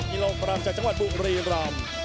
กิโลกรัมจากจังหวัดบุรีรำ